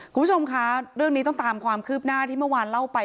คุณผู้ชมคะเรื่องนี้ต้องตามความคืบหน้าที่เมื่อวานเล่าไป